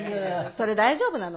それ大丈夫なの？